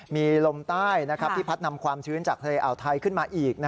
มีลมใต้ที่พัดนำความชื้นจากทะเลอ่าวไทยขึ้นมาอีก